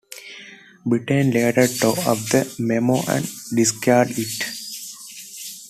Brittin later tore up the memo and discarded it.